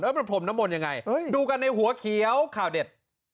เออพรมนม่อนยังไงดูกันในหัวเขียวข่าวเด็ด